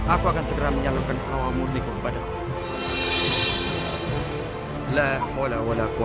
aku akan segera menyalurkan awal mulikku kepadamu